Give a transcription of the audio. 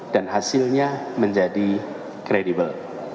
dan hasilnya menjadi kredibel